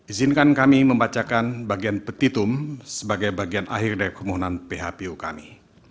izinkan kami membacakan bagian petitum sebagai bagian akhir dari kemohonan phpu kami